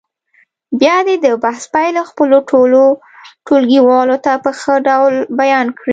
بیا دې د بحث پایلې خپلو ټولو ټولګیوالو ته په ښه ډول بیان کړي.